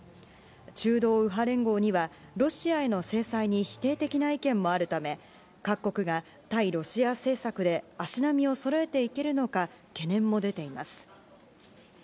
中道右派連合には、ロシアへの制裁に否定的な意見もあるため、各国が対ロシア政策で足並みをそろえていけるのか、懸念も出ています。